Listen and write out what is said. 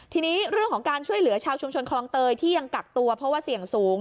ทีนี้เรื่องของการช่วยเหลือชาวชุมชนคลองเตยที่ยังกักตัวเพราะว่าเสี่ยงสูง